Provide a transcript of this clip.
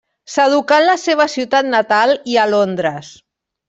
S'educà en la seva ciutat natal i a Londres.